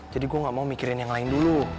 jadi gue gak mau mikirin yang lain dulu